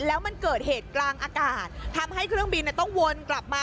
แล้วมันเกิดเหตุกลางอากาศทำให้เครื่องบินต้องวนกลับมา